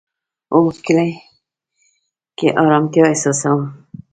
هو، کلی کی ارامتیا احساسوم